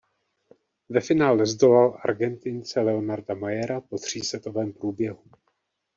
Ve finále zdolal Argentince Leonarda Mayera po třísetovém průběhu.